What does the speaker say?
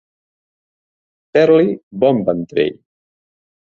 Fer-li bon ventrell.